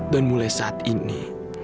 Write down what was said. dan mulai saat ini